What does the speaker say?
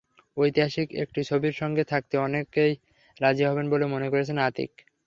ঐতিহাসিক একটি ছবির সঙ্গে থাকতে অনেকেই রাজি হবেন বলে মনে করছেন আতিক।